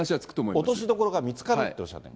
落としどころが見つかるとおっしゃってます。